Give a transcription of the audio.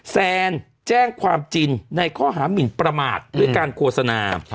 แซนแจ้งความจริงในข้อหามินประมาทด้วยการโฆษณา